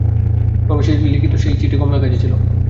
রমেশের লিখিত সেই চিঠি কমলার কাছে ছিল।